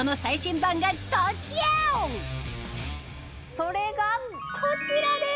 それがこちらです！